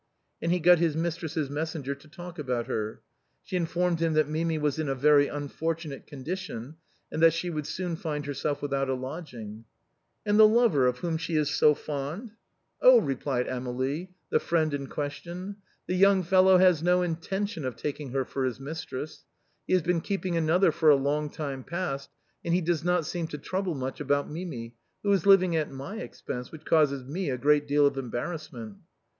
And he got his mistress's messenger to talk about her. She informed him that Mimi was in a very unfortunate condition, and that she would soon find herself without a lodging. "And the lover of whom she is so fond ?"" Oh !" replied Amélie, the friend in question, " the young fellow has no intention of taking her for his mis tress. He has been keeping another for a long time past, and he does not seem to trouble much about Mimi, who is living at my expense, which causes me a great deal of em barrassment."